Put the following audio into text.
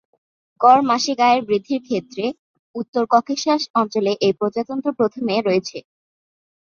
গড় মাসিক আয়ের বৃদ্ধির ক্ষেত্রে, উত্তর ককেশাস অঞ্চলে এই প্রজাতন্ত্র প্রথমে রয়েছে।